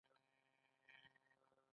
موږ ټول دنده لرو چې له حق ساتنه وکړو.